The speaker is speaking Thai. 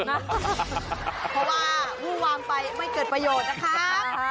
เพราะว่าวู้วางไปไม่เกิดประโยชน์นะครับ